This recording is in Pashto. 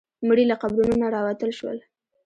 مړي له قبرونو نه راوتل شول.